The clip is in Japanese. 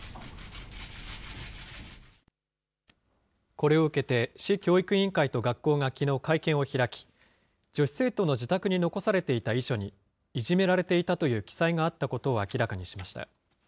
これを受けて、市教育委員会と学校がきのう会見を開き、女子生徒の自宅に残されていた遺書にいじめられていたという記載があったことを明らかにしました。